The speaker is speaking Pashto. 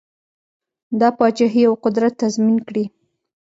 دا پاچهي او قدرت تضمین کړي.